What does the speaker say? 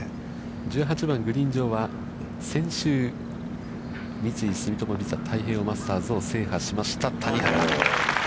１８番、グリーン上は先週、三井住友ＶＩＳＡ太平洋マスターを制しました谷原。